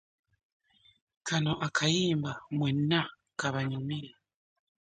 Kano akayimba mwena kabanyumire.